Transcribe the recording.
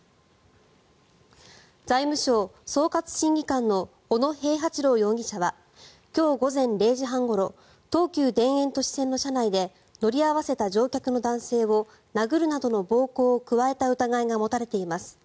審議官の小野平八郎容疑者は今日午前０時半ごろ東急田園都市線の車内で乗り合わせた乗客の男性を殴るなどの暴行を加えた疑いが持たれています。